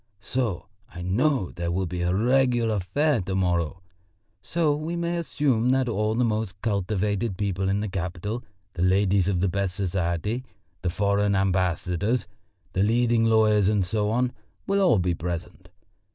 So I know there will be a regular fair to morrow. So we may assume that all the most cultivated people in the capital, the ladies of the best society, the foreign ambassadors, the leading lawyers and so on, will all be present.